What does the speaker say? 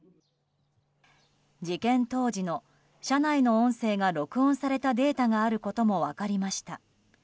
事件当時の、車内の音声が録音されたデータがあることも分かりました。